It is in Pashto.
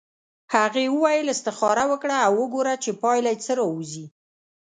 هغې وویل استخاره وکړه او وګوره چې پایله یې څه راوځي.